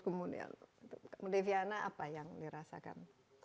kemudian mbak deviana apa yang dirasakan